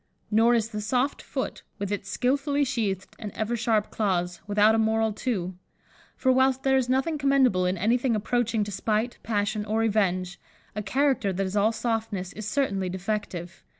Nor is the soft foot, with its skilfully sheathed and ever sharp claws, without a moral too; for whilst there is nothing commendable in anything approaching to spite, passion, or revenge, a character that is all softness is certainly defective.